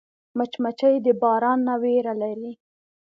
مچمچۍ د باران نه ویره لري